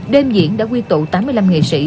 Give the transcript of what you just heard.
đêm diễn đã quy tụ tám mươi năm nghệ sĩ